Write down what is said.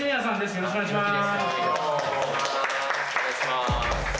よろしくお願いします。